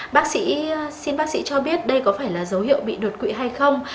bác sĩ xin bác sĩ cho biết đây có phải là dấu hiệu bị đột quỵ hay không